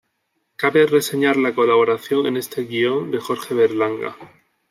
Cabe reseñar la colaboración en este guion de Jorge Berlanga.